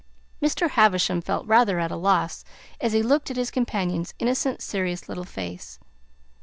Mr. Havisham felt rather at a loss as he looked at his companion's innocent, serious little face.